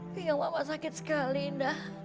biang mama sakit sekali indah